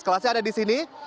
kelasnya ada di sini